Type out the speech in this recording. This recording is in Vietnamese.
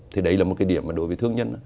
thì đấy là một cái điểm mà đối với thương nhân